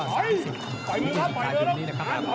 เราเห็นมาว่า๓๐ซุ่มจิตที่คล้ายเป็นนี้นะครับ